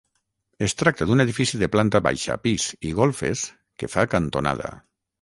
Es tracta d'un edifici de planta baixa, pis i golfes que fa cantonada.